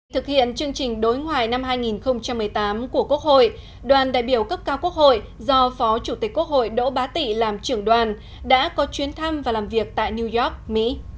thực hiện chương trình đối ngoại năm hai nghìn một mươi tám của quốc hội đoàn đại biểu cấp cao quốc hội do phó chủ tịch quốc hội đỗ bá tị làm trưởng đoàn đã có chuyến thăm và làm việc tại new york mỹ